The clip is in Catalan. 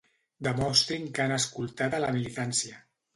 Demostrin que han escoltat a la militància.